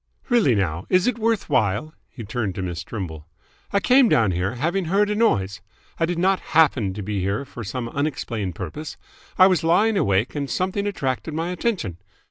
"Really now, is it worth while?" He turned to Miss Trimble. "I came down here, having heard a noise. I did not happen to be here for some unexplained purpose. I was lying awake and something attracted my attention.